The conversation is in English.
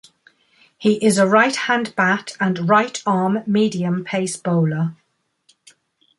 He is a right-hand bat and right-arm medium pace bowler.